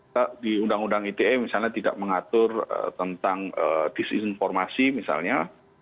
kita di undang undang ite misalnya tidak mengatur tentang disinformasi misalnya